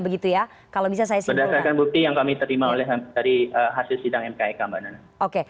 berdasarkan bukti yang kami terima dari hasil sidang mkik